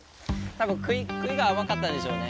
多分食いが甘かったんでしょうね。